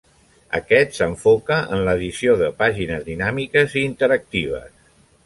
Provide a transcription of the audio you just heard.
Aquest s'enfoca en l'edició de pàgines dinàmiques i interactives.